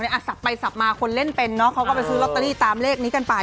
อ่ะสับไปสับมาคนเล่นเป็นเนอะเขาก็ไปซื้อลอตเตอรี่ตามเลขนี้กันไป